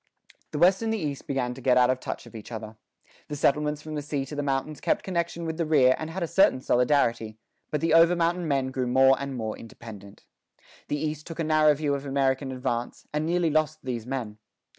The West and the East began to get out of touch of each other. The settlements from the sea to the mountains kept connection with the rear and had a certain solidarity. But the over mountain men grew more and more independent. The East took a narrow view of American advance, and nearly lost these men.